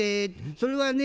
それはね